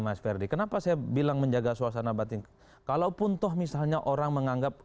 mas verdi kenapa saya bilang menjaga suasana batin kalaupun toh misalnya orang menganggap